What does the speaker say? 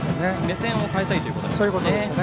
目線を変えたいということですね。